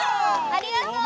ありがとう！